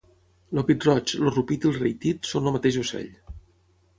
El pit-roig, el rupit i el rei-tit són el mateix ocell